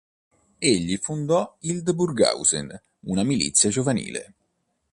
Egli fondò a Hildburghausen una milizia giovanile.